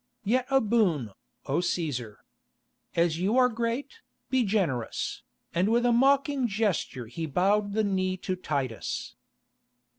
Yet a boon, O Cæsar. As you are great, be generous," and with a mocking gesture he bowed the knee to Titus.